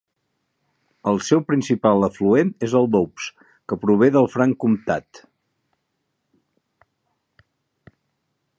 El seu principal afluent és el Doubs, que prové del Franc Comtat.